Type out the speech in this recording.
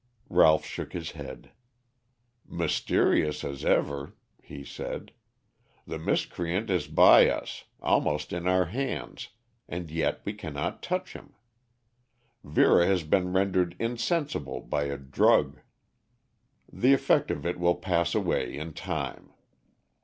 Ralph shook his head. "Mysterious as ever," he said. "The miscreant is by us, almost in our hands, and yet we cannot touch him. Vera has been rendered insensible by a drug. The effect of it will pass away in time.